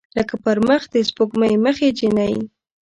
لکه پر مخ د سپوږمۍ مخې جینۍ